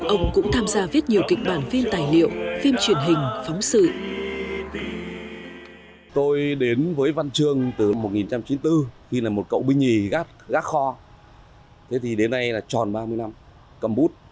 ông cũng tham gia viết nhiều kịch bản phim tài liệu phim truyền hình phóng sự